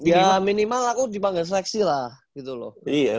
ya minimal aku dipanggil seleksi lah gitu loh